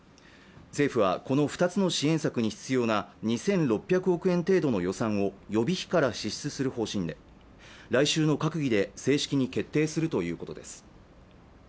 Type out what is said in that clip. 政府はこの２つの支援策に必要な２６００億円程度の予算を予備費から支出する方針で、来週の閣議で正式に決定するということです。